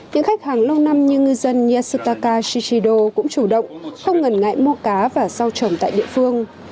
những khách hàng lâu năm như ngư dân yataka shichido cũng chủ động không ngần ngại mua cá và sau trồng tại địa phương